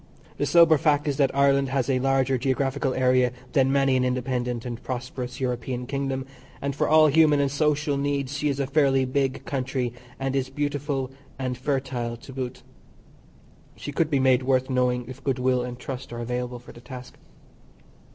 The sober fact is that Ireland has a larger geographical area than many an independent and prosperous European kingdom, and for all human and social needs she is a fairly big country, and is beautiful and fertile to boot. She could be made worth knowing if goodwill and trust are available for the task.